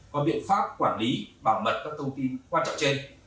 có biện pháp quản lý bảo mật các thông tin quan trọng trên